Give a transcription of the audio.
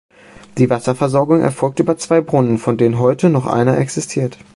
Die Wasserversorgung erfolgte über zwei Brunnen, von denen heute noch einer existiert.